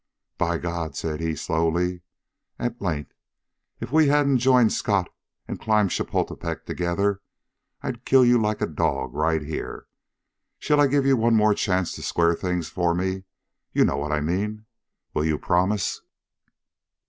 "By God!" said he slowly, at length, "if we hadn't joined Scott and climbed Chapultepec together, I'd kill you like a dog, right here! Shall I give you one more chance to square things for me? You know what I mean! Will you promise?"